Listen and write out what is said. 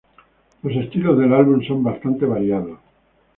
Los estilos del álbum son bastante variados.